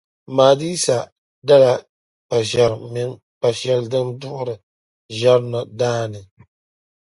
Mma Adisa dala kpaʒεrim mini kpa’ shɛli din duɣiri ʒεri na daani.